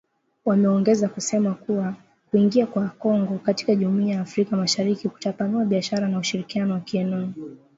Wameongeza kusema kuwa kuingia kwa Kongo katika Jumuiya ya Afrika Mashariki kutapanua biashara na ushirikiano wa kieneo.